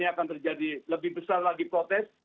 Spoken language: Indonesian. ini akan terjadi lebih besar lagi protes